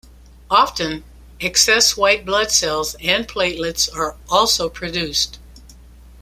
Often, excess white blood cells and platelets are also produced.